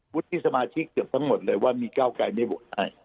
วุฒิสมาชิกเกือบทั้งหมดเลยว่ามีเก้าไกลไม่โหวตให้